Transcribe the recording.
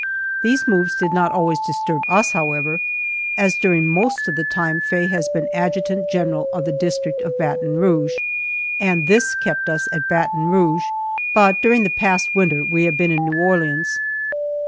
These moves did not always disturb us, however, as during most of the time Faye has been adjutant general of the District of Baton Rouge, and this kept us at Baton Rouge, but during the past winter we have been in New Orleans.